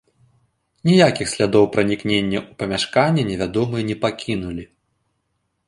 Ніякіх слядоў пранікнення ў памяшканне невядомыя не пакінулі.